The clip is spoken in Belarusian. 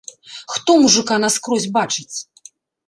Хто мужыка наскрозь бачыць?